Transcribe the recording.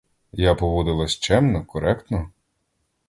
Я поводилась чемно, коректно?